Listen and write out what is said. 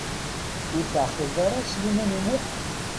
Ur teɛqileḍ ara Sliman U Muḥ?